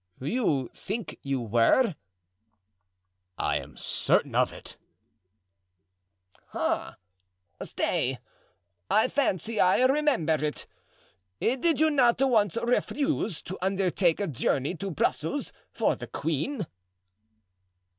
"You think you were." "I am certain of it." "Ah, stay! I fancy I remember it. Did you not once refuse to undertake a journey to Brussels for the queen?"